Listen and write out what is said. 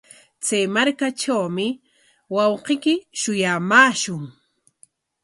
Chay markatrawmi wawqiyki shuyamaashun.